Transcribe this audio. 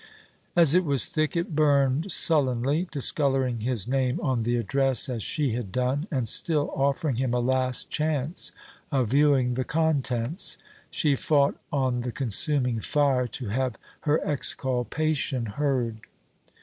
As it was thick, it burned sullenly, discolouring his name on the address, as she had done, and still offering him a last chance of viewing the contents. She fought on the consuming fire to have her exculpation heard.